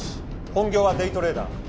本業はデイトレーダー。